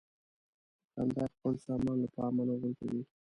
دوکاندار خپل سامان له پامه نه غورځوي.